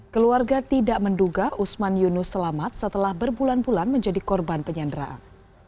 keluarga tidak menduga usman yunus selamat setelah berbulan bulan menjadi korban penyanderaan